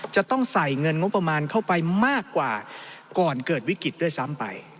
จะต้องใส่เงินงบประมาณเข้าไปมากกว่าก่อนเกิดวิกฤตด้วยซ้ำไป